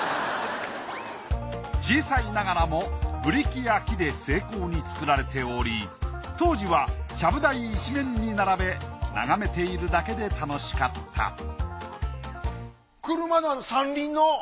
小さいながらもブリキや木で精巧に作られており当時はちゃぶ台いちめんに並べ眺めているだけで楽しかった車のあの三輪の？